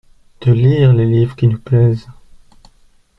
De lire les livres qui nous plaisent …